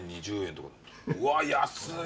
うわ安い！